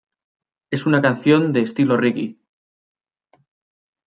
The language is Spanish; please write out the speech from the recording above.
Es una canción de estilo reggae.